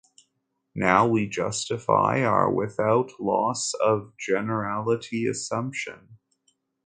Now we justify our without loss of generality assumption.